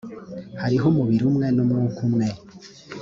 hariho umubiri umwe n umwuka umwe